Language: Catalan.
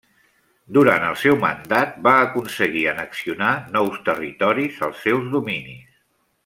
Durant el seu mandat va aconseguir annexionar nous territoris als seus dominis.